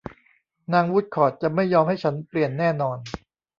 นางวูดคอร์ทจะไม่ยอมให้ฉันเปลี่ยนแน่นอน